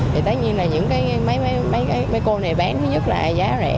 thì tất nhiên là những cái mấy cô này bán thứ nhất là giá rẻ